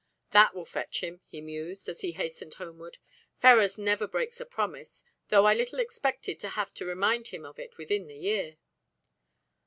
"That will fetch him," he mused, as he hastened homeward. "Ferrars never breaks a promise, though I little expected to have to remind him of it within the year."